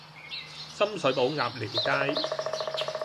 深水埗鴨寮街